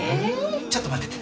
ちょっと待っててね。